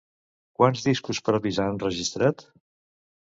Quants discos propis ha enregistrat?